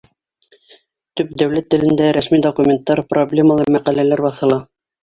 Төп дәүләт телендә рәсми документтар, проблемалы мәҡәләләр баҫыла.